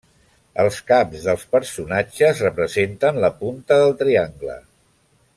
Els caps dels personatges representen la punta del triangle.